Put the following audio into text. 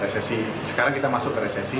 resesi sekarang kita masuk ke resesi